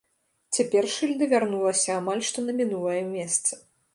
Цяпер шыльда вярнулася амаль што на мінулае месца.